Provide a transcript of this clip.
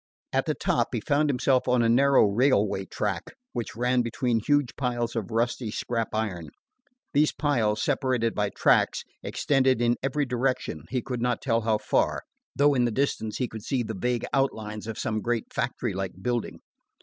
At the top he found himself on a narrow railway track which ran between huge piles of rusty scrap iron. These piles, separated by tracks, extended in every direction he could not tell how far, though in the distance he could see the vague outlines of some great factory like building.